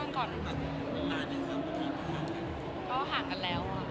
ก็ห่างกันแล้วค่ะ